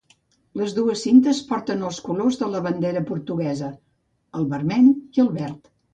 Les dues cintes porten els colors de la bandera portuguesa: el vermell i el verd.